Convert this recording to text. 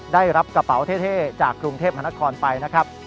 ได้รับกระเป๋าเท่จากกรุงเทพมหานครไปนะครับ